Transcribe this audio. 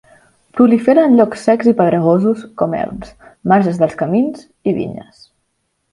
Prolifera en llocs secs i pedregosos com erms, marges dels camins i vinyes.